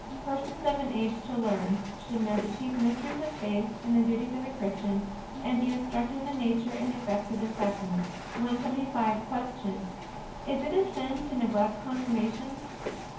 Persons of an age to learn should know the chief mysteries of faith and the duties of a Christian, and be instructed in the nature and effects of this Sacrament. 175. Q. Is it a sin to neglect Confirmation?